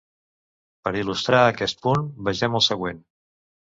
Per il·lustrar aquest punt, vegem el següent.